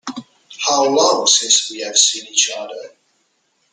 How long since we've seen each other?